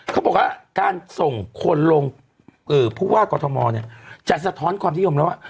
เขาบอกว่าการส่งคนลงผู้ว่ากอทมเนี่ยจะสะท้อนความนิยมแล้วว่า